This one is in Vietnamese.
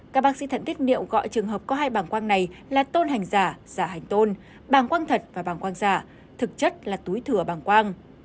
các bác sĩ thận tiết niệu gọi trường hợp có hai bằng quang này là tôn hành giả giả hành tôn bằng quang thật và bằng quang giả thực chất là túi thừa bằng quang